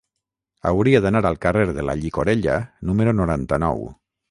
Hauria d'anar al carrer de la Llicorella número noranta-nou.